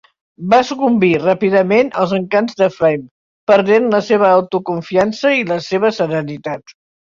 Va sucumbir ràpidament als encants de Flame, perdent la seva autoconfiança i la seva serenitat.